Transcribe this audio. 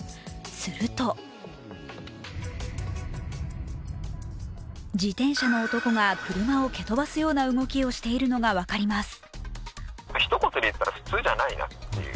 すると自転車の男が車を蹴飛ばすような動きをしているのが分かります。